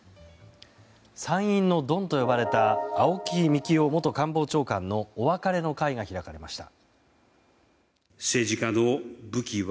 参院のドンと呼ばれた青木幹雄元官房長官のお別れの会が開かれました。